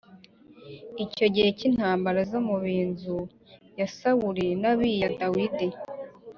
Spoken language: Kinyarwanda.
Icyo gihe cy’intambara zo mu b’inzu ya Sawuli n’ab’iya Dawidi